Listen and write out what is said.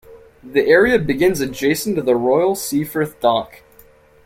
The area begins adjacent to the Royal Seaforth Dock.